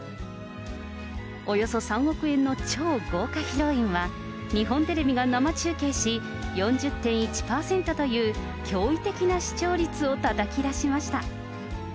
およそ３億円の超豪華披露宴は、日本テレビが生中継し、４０．１％という驚異的な視聴率をたたき出しました。